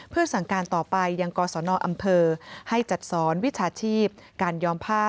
เพื่อสั่งการต่อไปยังกศนอำเภอให้จัดสอนวิชาชีพการยอมผ้า